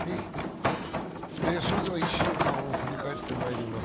それでは１週間を振り返ってまいります。